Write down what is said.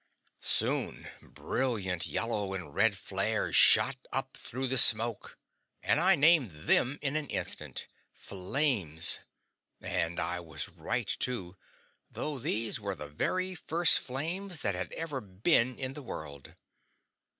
Soon brilliant yellow and red flares shot up through the smoke, and I named them in an instant FLAMES and I was right, too, though these were the very first flames that had ever been in the world.